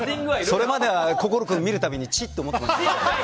それまでは心君を見る度にちっって思ってました。